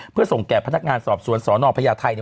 เพื่อส่งแก่พนักงานสอบสวนสนพญาไทย